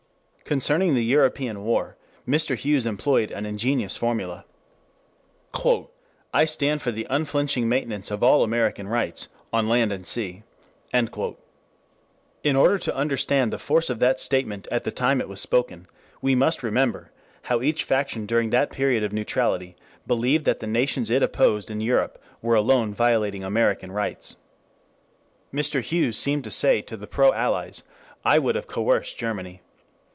Concerning the European war Mr. Hughes employed an ingenious formula: "I stand for the unflinching maintenance of all American rights on land and sea." In order to understand the force of that statement at the time it was spoken, we must remember how each faction during the period of neutrality believed that the nations it opposed in Europe were alone violating American rights. Mr. Hughes seemed to say to the pro Allies: I would have coerced Germany.